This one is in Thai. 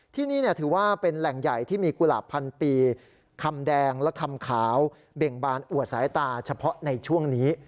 ที่นี่ถือว่าเป็นแหล่งใหญ่ที่มีกุหลาบพันปีคำแดงและคำขาวเบ่งบานอวดสายตาเฉพาะในช่วงนี้